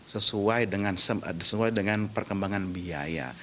sesuai dengan perkembangan biaya